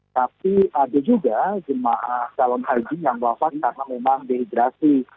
tapi ada juga jemaah calon haji yang wafat karena memang dehidrasi